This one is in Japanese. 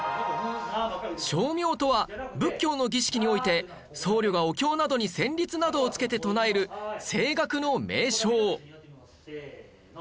声明とは仏教の儀式において僧侶がお経などに旋律などをつけて唱える声楽の名称せーの。